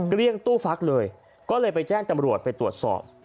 เกลี้ยงตู้ฟักเลยก็เลยไปแจ้งตำรวจไปตรวจสอบ